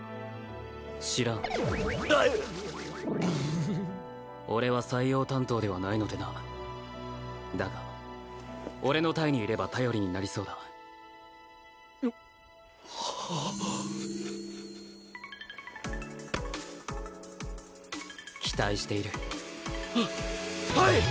知らん俺は採用担当ではないのでなだが俺の隊にいれば頼りになりそうだ期待しているははい！